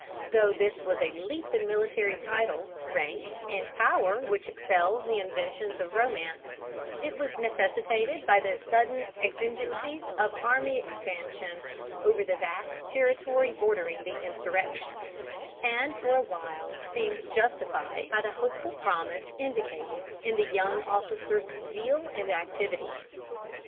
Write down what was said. Though this was a leap in military title, rank, and power which excels the inventions of romance, it was necessitated by the sudden exigencies of army expansion over the vast territory bordering the insurrection, and for a while seemed justified by the hopeful promise indicated in the young officer's zeal and activity.